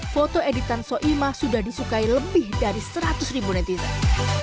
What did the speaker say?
foto editan soeimah sudah disukai lebih dari seratus netizen